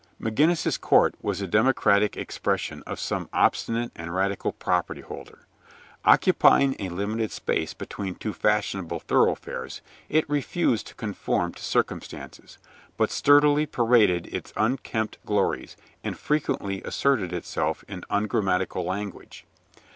McGinnis's Court was a democratic expression of some obstinate and radical property holder. Occupying a limited space between two fashionable thoroughfares, it refused to conform to circumstances, but sturdily paraded its unkempt glories, and frequently asserted itself in ungrammatical language.